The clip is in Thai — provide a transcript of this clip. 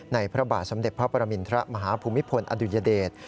ในพระบาทสำเด็จพระประมินทรมหาภูมิภลอดุลยเดช